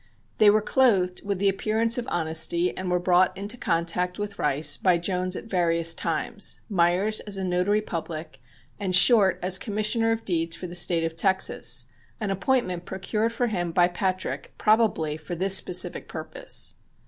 They were clothed with the appearance of honesty and were brought into contact with Rice by Jones at various times: Meyers as a notary public, and Short as commissioner of deeds for the State of Texas, an appointment procured for him by Patrick probably for this specific purpose.